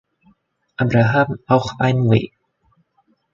Abraham“ auch ein „W.